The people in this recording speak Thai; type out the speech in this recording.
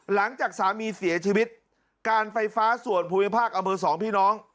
หลังจากสามีเสียชีวิตการไฟฟ้าส่วนภูมิภาคอำเภอสองพี่น้อง